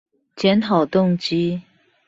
檢討動機